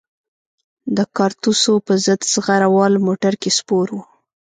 د کارتوسو په ضد زغره وال موټر کې سپور وو.